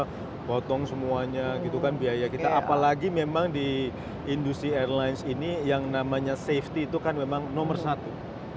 kita potong semuanya gitu kan biaya kita apalagi memang di industri airlines ini yang namanya safety itu kan memang nomor satu